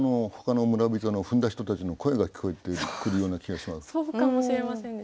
ほかの村人の踏んだ人たちの声が聞こえてくるような気がします。